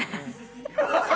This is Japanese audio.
ハハハハ！